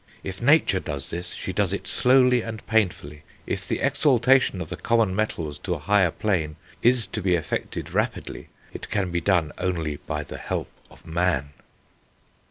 If Nature does this, she does it slowly and painfully; if the exaltation of the common metals to a higher plane is to be effected rapidly, it can be done only by the help of man."